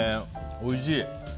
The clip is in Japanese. おいしい。